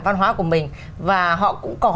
văn hóa của mình và họ cũng có